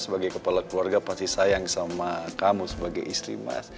sebagai kepala keluarga pasti sayang sama kamu sebagai istri mas